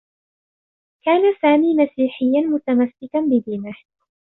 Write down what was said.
كان سامي مسيحيّا متمسّكا بدينه.